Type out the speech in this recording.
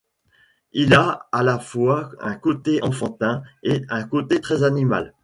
Il a à la fois un côté enfantin et un côté très animal.